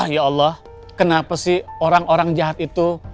ya allah kenapa sih orang orang jahat itu